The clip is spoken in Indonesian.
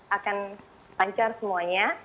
akan lancar semuanya